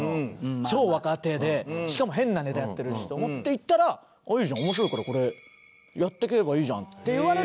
超若手でしかも変なネタやってるしと思って行ったら「いいじゃん。面白いからこれやっていけばいいじゃん」って言われて。